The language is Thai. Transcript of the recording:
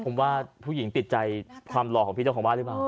ผมว่าผู้หญิงติดใจความหล่อของพี่เจ้าของบ้านหรือเปล่า